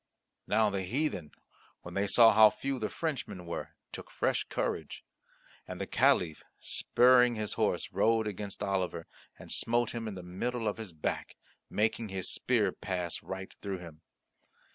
Now the heathen, when they saw how few the Frenchmen were, took fresh courage. And the Caliph, spurring his horse, rode against Oliver and smote him in the middle of his back, making his spear pass right through him.